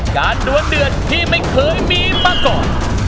ดวนเดือดที่ไม่เคยมีมาก่อน